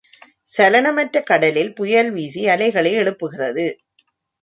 சலனமற்ற கடலில் புயல் வீகி அலைகளை எழுப்புகிறது.